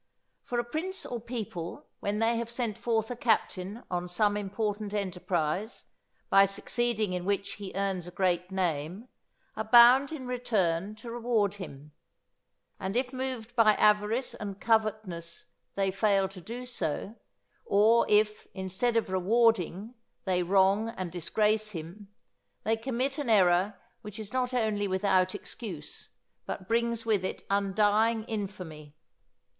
For a prince or people when they have sent forth a captain on some important enterprise, by succeeding in which he earns a great name, are bound in return to reward him; and if moved by avarice and covetousness they fail to do so, or if, instead of rewarding, they wrong and disgrace him, they commit an error which is not only without excuse, but brings with it undying infamy.